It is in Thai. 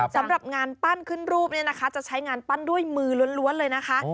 สำหรับงานปั้นขึ้นรูปเนี่ยนะคะจะใช้งานปั้นด้วยมือล้วนเลยนะคะ